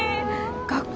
学校？